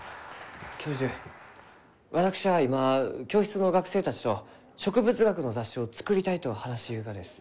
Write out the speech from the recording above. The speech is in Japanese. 教授私は今教室の学生たちと植物学の雑誌を作りたいと話しゆうがです。